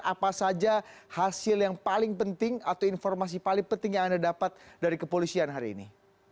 apa saja hasil yang paling penting atau informasi paling penting yang anda dapat dari kepolisian hari ini